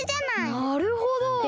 なるほど！